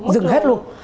dừng hết luôn